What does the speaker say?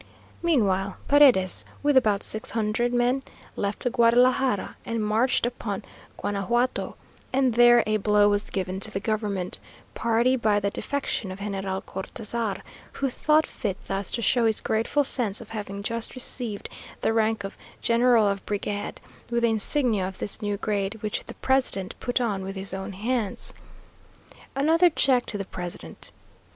Meanwhile Paredes, with about six hundred men, left Guadalajara and marched upon Guanajuato; and there a blow was given to the government party by the defection of General Cortazar, who thought fit thus to show his grateful sense of having just received the rank of general of brigade with the insignia of this new grade, which the president put on with his own hands. Another check to the president.